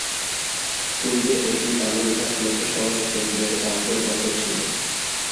পূর্বে এটি বালুরঘাট লোকসভা কেন্দ্রের অন্তর্গত ছিল।